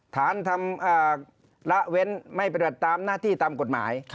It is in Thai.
ฐานทำละเว้นไม่ปฏิบัติตามหน้าที่ตามกฎหมาย